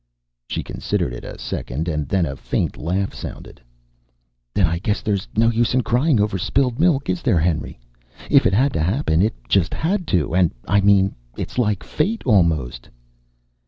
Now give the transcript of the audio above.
She considered it a second, and then a faint laugh sounded. "Then I guess there's no use in crying over spilled milk, is there, Henry? If it had to happen, it just had to. And I mean, it's like fate, almost!"